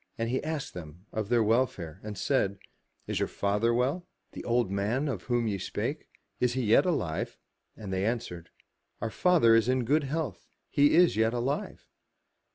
And he asked them of their welfare, and said, " Is your father well, the old man of whom ye spake? Is he yet alive? *' And they answered, *' Our father is in good health, he is yet alive."